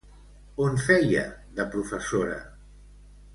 On feia de professora?